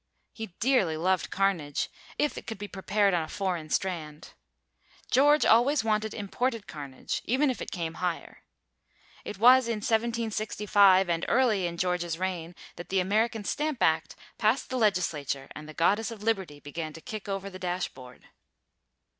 He dearly loved carnage, if it could be prepared on a foreign strand. George always wanted imported carnage, even if it came higher. It was in 1765, and early in George's reign, that the American stamp act passed the Legislature and the Goddess of Liberty began to kick over the dashboard.